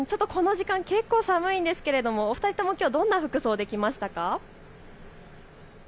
この時間、結構、寒いんですけれどもお二人とも、どんな服装で来ましたか。